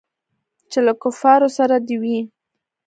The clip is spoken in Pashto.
چې له کفارو سره دې وي.